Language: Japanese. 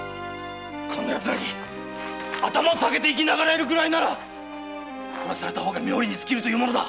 こんなやつらに頭を下げて生き長らえるなら殺された方が冥利に尽きるというものだ。